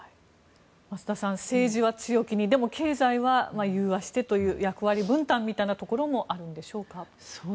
増田さん、政治は強気にでも経済は融和してという役割分担みたいなところもあるんでしょうか。